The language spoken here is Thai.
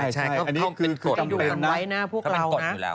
ใช่อันนี้คือกำเป็นนะ